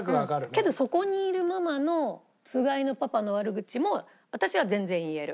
けどそこにいるママのつがいのパパの悪口も私は全然言える。